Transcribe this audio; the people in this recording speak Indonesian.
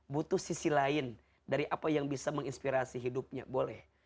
butuh sisi lain dari apa yang bisa menginspirasi hidupnya boleh